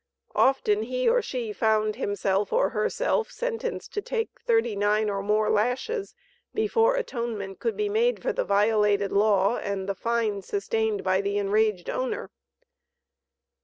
Often he or she found himself or herself sentenced to take thirty nine or more lashes before atonement could be made for the violated law, and the fine sustained by the enraged owner.